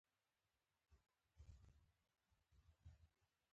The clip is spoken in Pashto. د سارا لیدل مې پر زړه غوټه پاته شول.